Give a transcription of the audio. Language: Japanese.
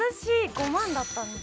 ５万だった時は。